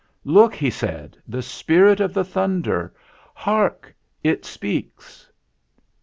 "Look!" he said, "the Spirit of the Thunder! Hark! It speaks!"